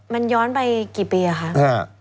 มันย้อนไปกี่ปีครับ